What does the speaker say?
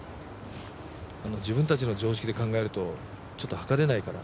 自分たちの常識で考えるとちょっと図れないから。